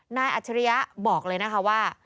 นายอัจฉริยะบอกเลยว่า